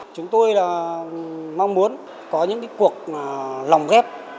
chúng tôi là mong muốn có những cái cuộc lòng ghép